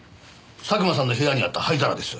佐久間さんの部屋にあった灰皿です。